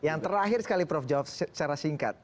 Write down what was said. yang terakhir sekali prof jawab secara singkat